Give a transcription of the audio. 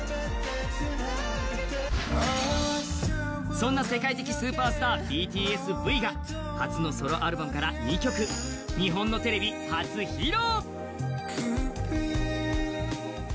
そんな世界的スーパースター・Ｖが初のソロアルバムから２曲、日本のテレビ初披露。